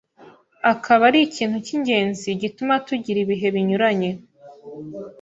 akaba ari ikintu cy’ingenzi gituma tugira ibihe binyuranye.